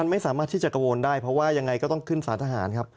ไม่สามารถที่จะกระโวนได้เพราะว่ายังไงก็ต้องขึ้นสารทหารครับ